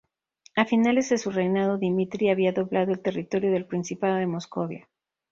A finales de su reinado Dmitri había doblado el territorio del principado de Moscovia.